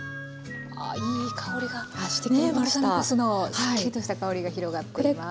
すっきりとした香りが広がっています。